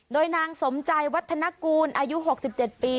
โดยนางสมใจวัฒนกูลอายุ๖๗ปี